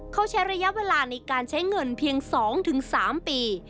เขาใช้ระยะเวลาในการใช้เงินเพียง๒๓ปี